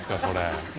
これ。